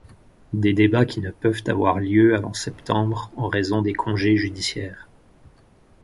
Des débats qui ne peuvent avoir lieu avant septembre, en raison des congés judiciaires.